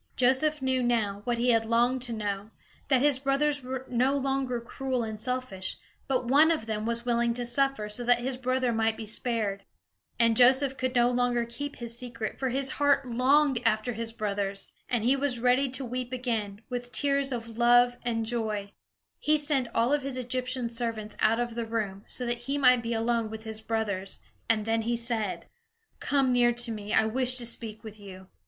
Joseph knew now, what he had longed to know, that his brothers were no longer cruel nor selfish, but one of them was willing to suffer, so that his brother might be spared. And Joseph could not any longer keep his secret, for his heart longed after his brothers; and he was ready to weep again, with tears of love and joy. He sent all of his Egyptian servants out of the room, so that he might be alone with his brothers, and then he said: "Come near to me; I wish to speak with you."